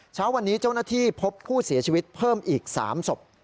เช้าวันนี้เจ้าหน้าที่พบผู้เสียชีวิตเพิ่มอีก๓ศพ